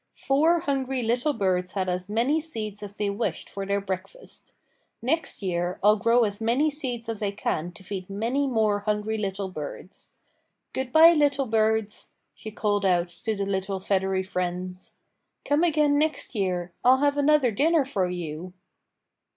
Four hungry little birds had as many seeds as they wished for their breakfast. Next year I'll grow as many seeds as I can to feed many more hungry little birds. Good bye, little birds," she called out to the little feathery friends. "Come again next year. I'll have another dinner for you."